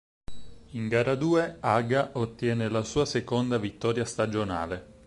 In gara due Haga ottiene la sua seconda vittoria stagionale.